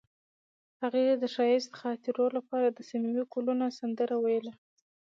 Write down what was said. هغې د ښایسته خاطرو لپاره د صمیمي ګلونه سندره ویله.